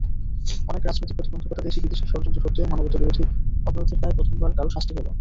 অনেক রাজনৈতিক প্রতিবন্ধকতা, দেশি-বিদেশি ষড়যন্ত্র সত্ত্বেও মানবতাবিরোধী অপরাধের দায়ে প্রথমবার কারও শাস্তি হলো।